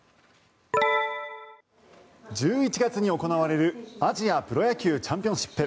１１月に行われるアジアプロ野球チャンピオンシップ。